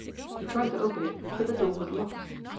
He tried to open it, but the door was locked.